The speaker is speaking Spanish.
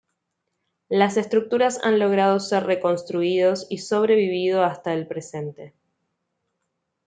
Las estructuras han logrado ser reconstruidos y sobrevivido hasta el presente.